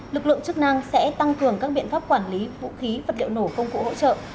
lực lượng chức năng sẽ tăng cường các biện pháp quản lý vũ khí vật liệu nổ công cụ hỗ trợ